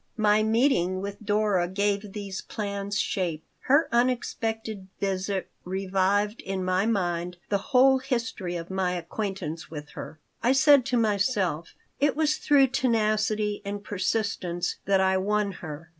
My meeting with Dora gave these plans shape. Her unexpected visit revived in my mind the whole history of my acquaintance with her. I said to myself: "It was through tenacity and persistence that I won her.